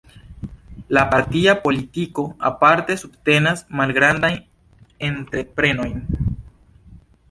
La partia politiko aparte subtenas malgrandajn entreprenojn.